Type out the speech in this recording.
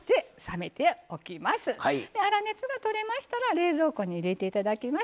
粗熱がとれましたら冷蔵庫に入れていただきます。